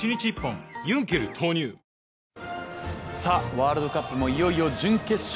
ワールドカップもいよいよ準決勝。